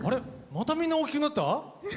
またみんな大きくなった？